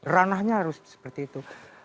ranahnya harus seperti itu